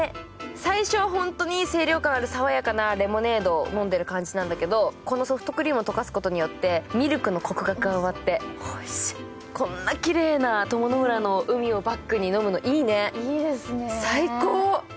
最初、本当に清涼感ある爽やかなレモネード飲んでる感じなんだけどこのソフトクリームを溶かすことによってミルクのこくが加わって、こんなきれいな鞆の浦の海をバックに飲むのいいね、最高。